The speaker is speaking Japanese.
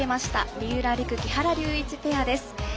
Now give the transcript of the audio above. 三浦璃来、木原龍一ペアです。